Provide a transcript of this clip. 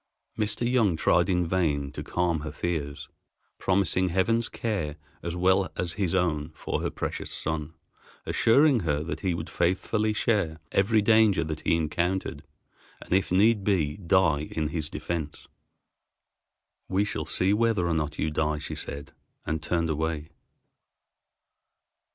Mr. Young tried in vain to calm her fears, promising Heaven's care as well as his own for her precious son, assuring her that he would faithfully share every danger that he encountered, and if need be die in his defense. "We shall see whether or not you die," she said, and turned away.